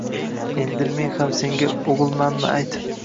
Endi men ham senga ugilmanmi ayt?